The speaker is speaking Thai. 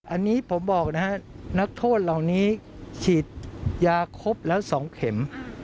อันนี้ผมบอกนะฮะนักโทษเหล่านี้ฉีดยาครบแล้ว๒เข็ม